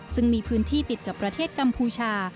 ซึ่งมีพื้นที่ติดกับประเทศกัมพูชา